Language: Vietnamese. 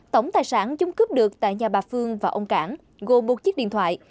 tổng tài sản chung cướp được tại nhà bà phương và ông cảng gồm một chiếc điện thoại